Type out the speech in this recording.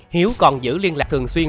hiếu còn giữ liên lạc thường xuyên